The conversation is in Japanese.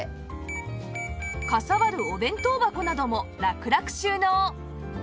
かさばるお弁当箱などもラクラク収納